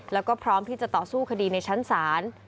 แล้วก็พร้อมที่จะต่อสู้คดีในชั้นศาล